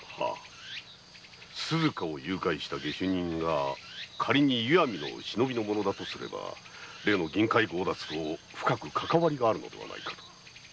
鈴加を誘拐した下手人がかりに石見の「忍びの者」だとすれば例の銀塊強奪と深いかかわりがあるのではないかと。